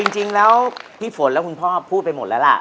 จริงแล้วพี่ฝนและคุณพ่อพูดไปหมดแล้วล่ะ